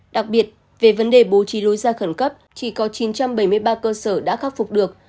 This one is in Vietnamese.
đặc biệt về vấn đề bố trí lối ra khẩn cấp chỉ có chín trăm bảy mươi ba cơ sở đã khắc phục được